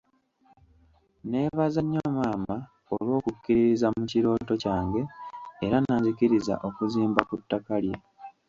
Nneebaza nnyo maama olw'okukkiririza mu kirooto kyange era n’anzikiriza okuzimba ku ttaka lye.